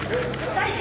「大臣！